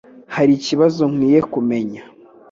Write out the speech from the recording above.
Hari ikibazo nkwiye kumenya